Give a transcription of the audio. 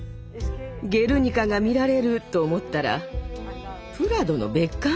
「ゲルニカ」が見られる！と思ったらプラドの別館？